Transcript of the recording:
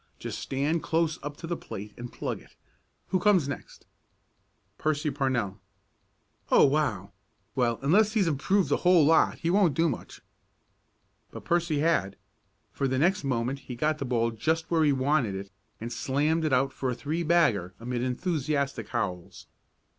Just stand close up to the plate and plug it. Who comes next?" "Percy Parnell." "Oh, wow! Well, unless he's improved a whole lot he won't do much." But Percy had, for the next moment he got the ball just where he wanted it, and slammed it out for a three bagger amid enthusiastic howls.